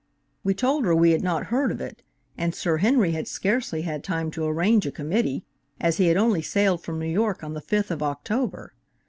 We told her we had not heard of it, and Sir Henry had scarcely had time to arrange a committee, as he had only sailed from New York on the fifth of October.